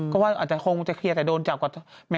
ก็ว่าอาจจะคงจะเคลียร์แต่โดนจับกว่า